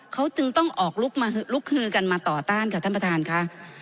เขาจึงต้องออกลุกคือกันมาต่อต้านค่ะท่านประธานค่ะ